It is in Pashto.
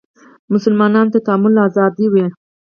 مسلمانانو ته تعامل ازادي وه